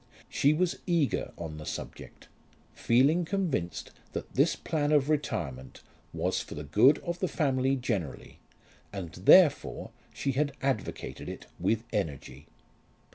She was eager on the subject, feeling convinced that this plan of retirement was for the good of the family generally, and therefore she had advocated it with energy.